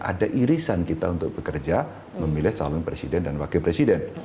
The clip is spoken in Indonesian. ada irisan kita untuk bekerja memilih calon presiden dan wakil presiden